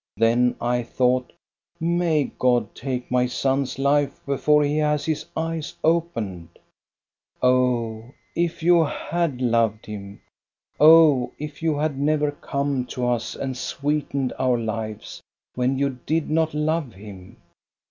Then I thought :* May God take my son's life before he has his eyes opened !'Oh, if you had loved him ! Oh, if you had never come to us and sweetened our lives, when you did not love him